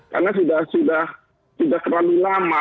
karena sudah terlalu lama